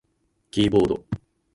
キーボード